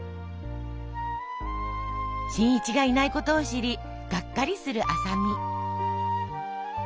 新一がいないことを知りがっかりする麻美。